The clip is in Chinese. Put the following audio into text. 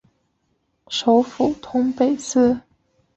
首府通贝斯。